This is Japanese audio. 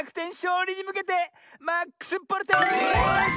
うりにむけてマックスボルテージ！